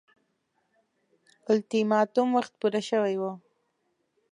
اولتیماتوم وخت پوره شوی وو.